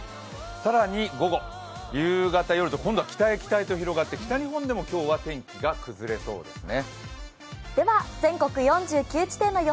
更に午後、夕方、夜と、今度は北へ北へと広がって北日本でも今日は天気が崩れそうですね。